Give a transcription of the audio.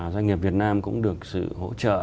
doanh nghiệp việt nam cũng được sự hỗ trợ